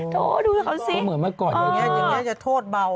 โหดูเขาสิเหมือนเมื่อก่อนเลยรึอยังอย่างเนี้ยจะโทษเบา